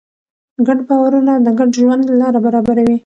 ګډ باورونه د ګډ ژوند لاره برابروي.